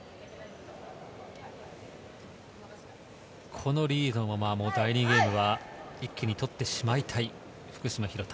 このリードのまま第２ゲームは一気に取ってしまいたい福島・廣田。